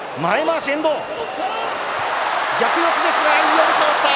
寄り倒した。